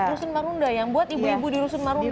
rusun marunda yang buat ibu ibu di rusun marunda